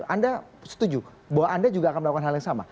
anda setuju bahwa anda juga akan melakukan hal yang sama